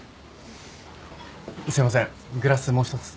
すいませんグラスもう１つ。